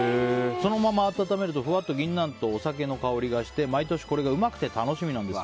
そのまま温めるとふわっと銀杏とお酒の香りがして毎年これがうまくて楽しみなんです。